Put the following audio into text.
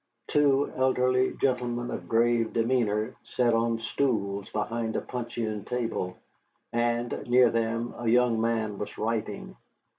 Two elderly gentlemen of grave demeanor sat on stools behind a puncheon table, and near them a young man was writing.